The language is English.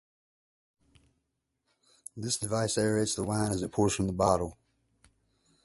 This device aerates the wine as it pours from the bottle.